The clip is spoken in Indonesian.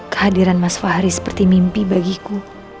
kehadiran mas fahri seperti mimpi bagiku